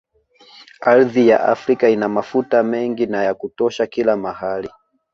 Ardhi ya Afrika ina mafuta mengi na ya kutosha kila mahali